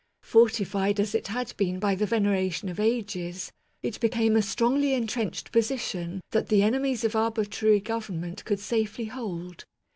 Fortified as it had been by the veneration of ages, it became a strongly en trenched position that the enemies of arbitrary govern ment could safely hold.